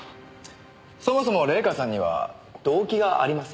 そもそも礼夏さんには動機がありません。